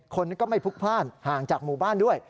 คนก็ไม่พลุกพลาดห่างจากหมู่บ้านด้วย